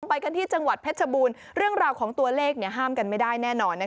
ไปกันที่จังหวัดเพชรบูรณ์เรื่องราวของตัวเลขห้ามกันไม่ได้แน่นอน